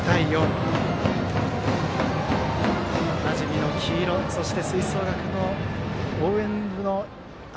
おなじみの黄色そして吹奏楽部、応援部の赤。